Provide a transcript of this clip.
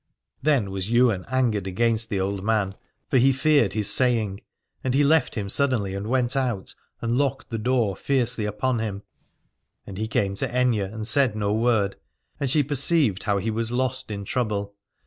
Then was Ywain angered against the old man, for he feared his saying : and he left him suddenly and went out, and locked the door fiercely upon him. And he came to Aithne and said no word : and she perceived how he was lost in trouble.